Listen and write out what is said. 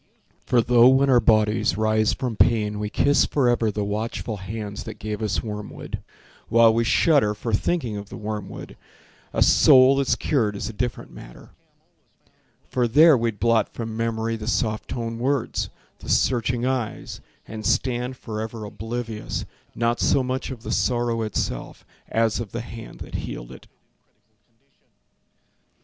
For though when our bodies rise from pain We kiss forever the watchful hands That gave us wormwood, while we shudder For thinking of the wormwood, A soul that's cured is a different matter, For there we'd blot from memory The soft toned words, the searching eyes, And stand forever oblivious, Not so much of the sorrow itself As of the hand that healed it.